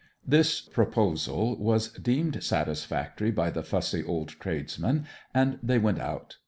This proposal was deemed satisfactory by the fussy old tradesman, and they went out.